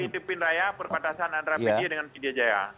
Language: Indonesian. saya di tepindaya perkatasan antara pde dengan pde jaya